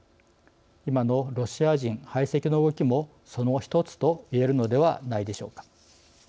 今のロシア人排斥の動きもそのひとつと言えるのではないでしょうか。